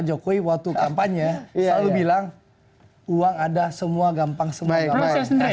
pak jokowi waktu kampanye selalu bilang uang ada semua gampang gampang